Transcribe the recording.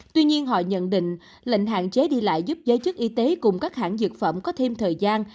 tuy nhiên họ nhận định lệnh hạn chế đi lại giúp giới chức y tế cùng các hãng dược phẩm có thêm thời gian